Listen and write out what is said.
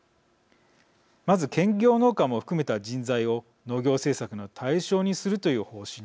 まず兼業農家も含めた人材を農業政策の対象にするという方針です。